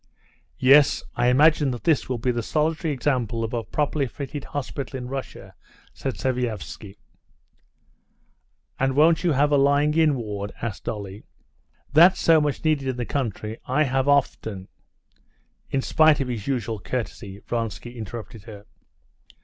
"Yes, I imagine that this will be the solitary example of a properly fitted hospital in Russia," said Sviazhsky. "And won't you have a lying in ward?" asked Dolly. "That's so much needed in the country. I have often...." In spite of his usual courtesy, Vronsky interrupted her.